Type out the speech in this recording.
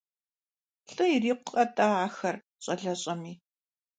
ЛӀы ирикъукъэ-тӀэ ахэр, щӀалэщӀэми!